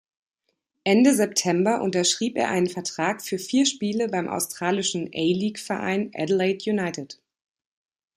Ende September unterschrieb er einen Vertrag für vier Spiele beim australischen A-League-Verein Adelaide United.